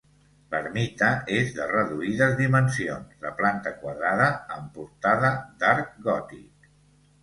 L'ermita és de reduïdes dimensions, de planta quadrada, amb portada d'arc gòtic.